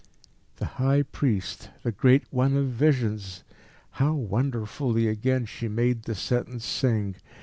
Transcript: The High Priest, the Great One of Visions! How wonderfully again she made the sentence sing.